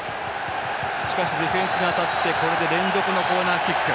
しかし、ディフェンスに当たって連続のコーナーキック。